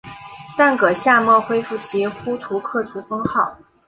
但噶厦未恢复其呼图克图封号。